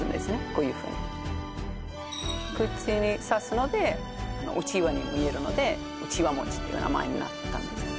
こういうふうに串に刺すのでうちわに見えるのでうちわ餅っていう名前になったんです